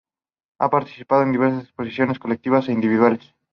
Ha participado en diversas exposiciones colectivas e individuales.